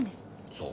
そう？